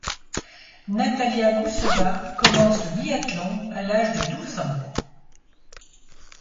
Natalia Gousseva commence le biathlon à l'âge de douze ans.